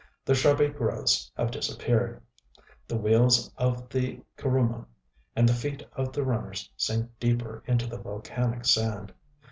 The shrubby growths have disappeared. The wheels of the kuruma, and the feet of the runners sink deeper into the volcanic sand....